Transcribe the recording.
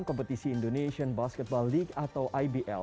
kompetisi indonesian basketball league atau ibl